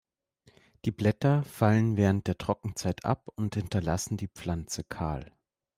Die Blätter fallen während der Trockenzeit ab und hinterlassen die Pflanze kahl.